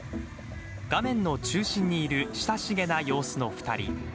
画面の中心にいる親しげな様子の２人。